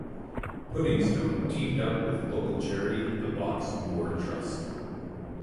Puddingstone teamed up with local charity the Box Moor Trust.